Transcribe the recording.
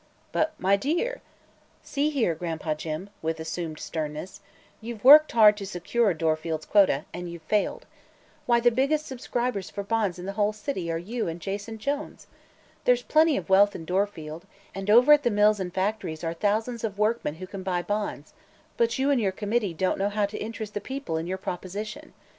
"But my dear!" "See here, Gran'pa Jim," with assumed sternness, "you've worked hard to secure Dorfield's quota, and you've failed. Why, the biggest subscribers for bonds in the whole city are you and Jason Jones! There's plenty of wealth in Dorfield, and over at the mills and factories are thousands of workmen who can buy bonds; but you and your Committee don't know how to interest the people in your proposition.